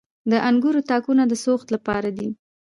د انګورو تاکونه د سوخت لپاره دي.